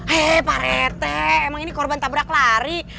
hei pak rt emang ini korban tabrak lari